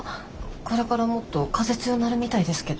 これからもっと風強なるみたいですけど。